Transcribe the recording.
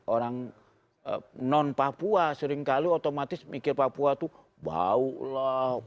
orang non papua seringkali otomatis mikir papua itu bau lah